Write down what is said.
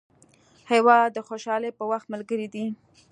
هېواد د خوشحالۍ په وخت ملګری دی.